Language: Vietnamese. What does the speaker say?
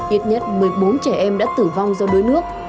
ít nhất một mươi bốn trẻ em đã tử vong do đuối nước